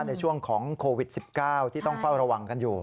ในช่วงของโควิด๑๙ที่ต้องเฝ้าระวังกันอยู่